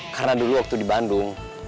karena dulu waktu di bandung